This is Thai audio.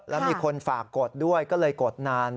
แล้วมีคนฝากกดด้วยก็เลยกดนาน